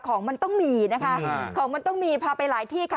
ของมันต้องมีนะคะของมันต้องมีพาไปหลายที่ค่ะ